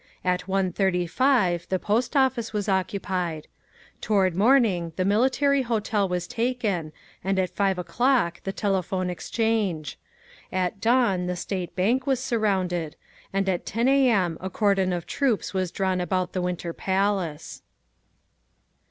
At 1.35 the Post Office was occupied. Toward morning the Military Hotel was taken, and at 5 o'clock the Telephone Exchange. At dawn the State Bank was surrounded. And at 10 A. M. a cordon of troops was drawn about the Winter Palace.